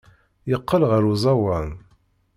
Yeqqel ɣer uẓawan.